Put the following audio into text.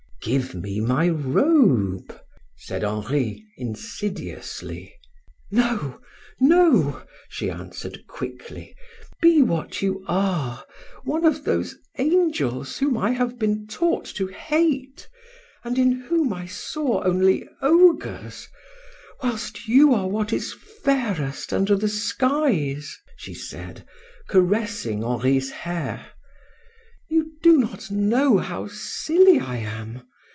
"Give me my robe," said Henri, insidiously. "No, no!" she answered quickly, "be what you are, one of those angels whom I have been taught to hate, and in whom I only saw ogres, whilst you are what is fairest under the skies," she said, caressing Henri's hair. "You do not know how silly I am.